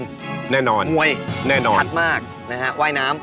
แน่นอนมวยแน่นอนชัดมากนะฮะว่ายน้ำ